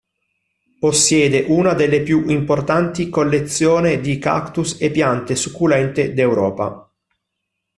Possiede una delle più importanti collezione di cactus e piante succulente d'Europa.